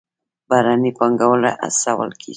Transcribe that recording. بهرنۍ پانګونه هڅول کیږي